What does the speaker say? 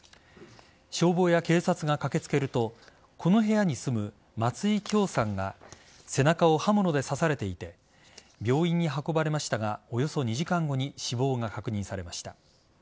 消防や警察が駆けつけるとこの部屋に住む松井響さんが背中を刃物で刺されていて病院に運ばれましたがおよそ２時間後に死亡が確認されました。